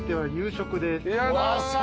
やった！